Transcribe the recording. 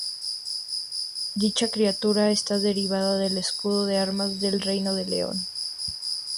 Dicha criatura está derivada del escudo de armas del reino de León.